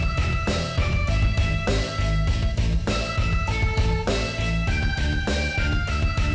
sekarang abah tidak berdua lagi